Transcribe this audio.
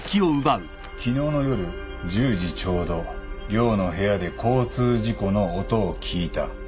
「昨日の夜１０時ちょうど寮の部屋で交通事故の音を聞いた」